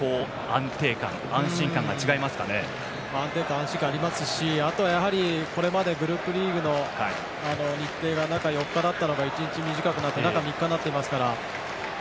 安定感、安心感ありますしあとはやはりこれまでグループリーグの日程が中４日だったのが１日短くなって中３日になっていますから。